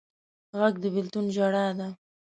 غږ د بېلتون ژړا ده